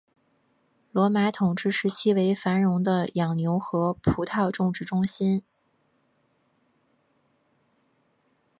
罗马统治时期为繁荣的养牛和葡萄种植中心。